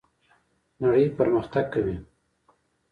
نړۍ پرمختګ کوي